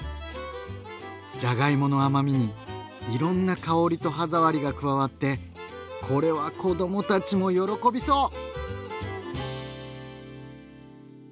じゃがいもの甘みにいろんな香りと歯触りが加わってこれは子どもたちも喜びそう！